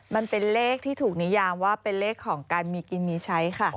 มันเป็นเลขที่ถูกนิยามว่าเป็นเลขของการมีกินมีใช้ค่ะ